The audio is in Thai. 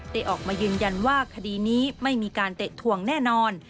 ออกมายืนยันว่าคดีนี้ไม่มีการเตะถวงแน่นอน